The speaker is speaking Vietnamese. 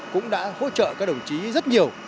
cũng đã hỗ trợ các đồng chí rất nhiều